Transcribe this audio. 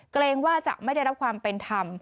เกรงว่าจะไม่ได้รับความเป็นธรรม